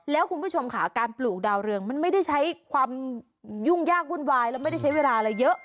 แล้วคุณผู้ชมค่ะการปลูกดาวเรืองมันไม่ได้ใช้ความยุ่งยากวุ่นวายแล้วไม่ได้ใช้เวลาอะไรเยอะ